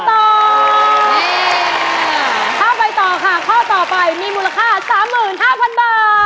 เข้าไปต่อค่ะข้อต่อไปมีมูลค่า๓๕๐๐๐บาท